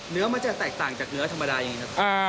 เนื้อมันจะแตกต่างจากเนื้อธรรมดาอย่างนี้ครับ